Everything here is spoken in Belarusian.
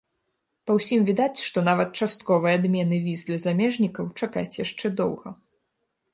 Па ўсім відаць, што нават частковай адмены віз для замежнікаў чакаць яшчэ доўга.